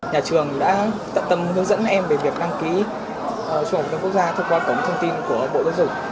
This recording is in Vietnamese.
nhà trường đã tận tâm hướng dẫn các em về việc đăng ký trung học phổ thông quốc gia thông qua cổng thông tin của bộ giáo dục